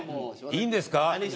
いいんですか。